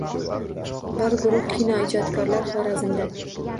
Bir guruh kinoijodkorlar Xorazmda